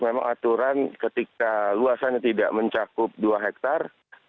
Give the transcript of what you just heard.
memang aturan ketika luasannya tidak mencakup dua hektare